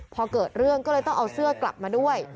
พอเกิดเรื่องก็เลยต้องเอาเสื้อกลับมาด้วย